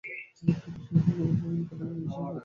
আরেকটি বিষয় হলো, আমার এবিষয়ে আসার কোনো ইচ্ছা ছিল না।